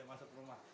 iya masuk rumah